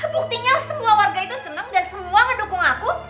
buktinya semua warga itu senang dan semua mendukung aku